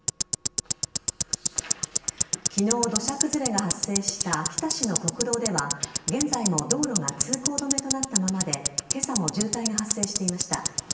昨日、土砂崩れが発生した秋田市の国道では現在も道路が通行止めとなったままで今朝も渋滞が発生していました。